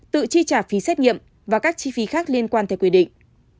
tự chi trả phí xét nghiệm và các chi phí khác liên quan theo quy định